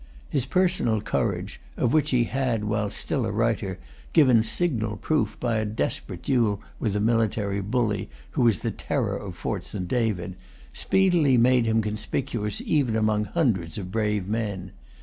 His personal courage, of which he had, while still a writer, given signal proof by a desperate duel with a military bully who was the terror of Fort St. David, speedily made him conspicuous even among hundreds of brave men.